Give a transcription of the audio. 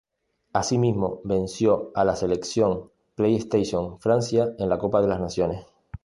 Asimismo, venció a la selección PlayStation Francia en la Copa de las Naciones.